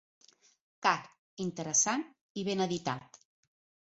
Car, interessant i ben editat.